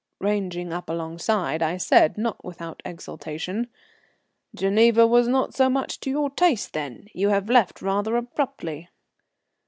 Ranging up alongside I said, not without exultation: "Geneva was not so much to your taste, then? You have left rather abruptly."